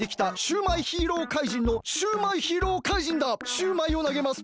シューマイをなげます！